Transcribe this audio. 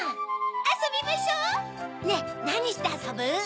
あそびましょ！ねぇなにしてあそぶ？